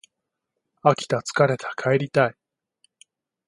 飽きた疲れた帰りたい